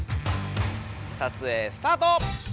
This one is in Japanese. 撮影スタート！